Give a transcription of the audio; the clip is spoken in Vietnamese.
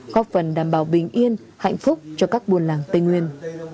góp phần đảm bảo bình yên hạnh phúc cho các buôn làng tây nguyên